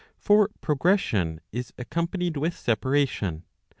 For progression is accompa* nied with separation.